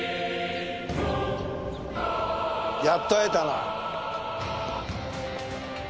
やっと会えたな。